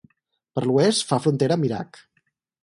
Per l'oest fa frontera amb Iraq.